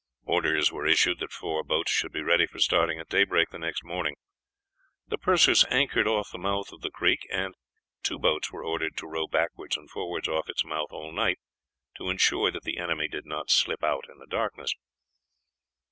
Orders were issued that four boats should be ready for starting at daybreak the next morning. The Perseus anchored off the mouth of the creek, and two boats were ordered to row backwards and forwards off its mouth all night to insure that the enemy did not slip out in the darkness.